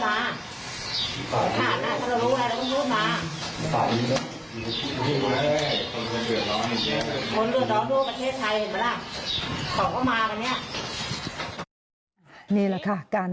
มึงอยากให้ผู้ห่างติดคุกหรอ